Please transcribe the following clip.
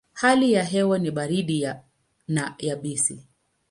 Hali ya hewa ni baridi na yabisi.